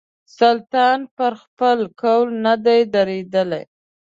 سلطان پر خپل قول نه دی درېدلی.